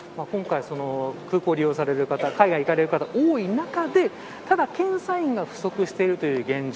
今回空港を利用される方海外に行かれる方が多い中でただ検査員が不足している現状。